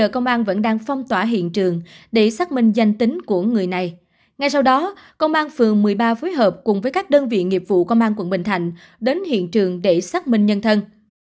công an phường một mươi ba phối hợp cùng với các đơn vị nghiệp vụ công an quận bình thạnh đến hiện trường để xác minh nhân thân